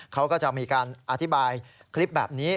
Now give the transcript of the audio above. เขาก็จะมีการอธิบายคลิปแบบนี้